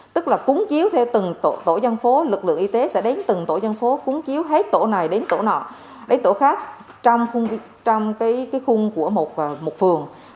tức là cúng chiếu theo từng tổ dân phố lực lượng y tế sẽ đến từng tổ dân phố cuốn chiếu hết tổ này đến tổ nọ đến tổ khác trong khung của một phường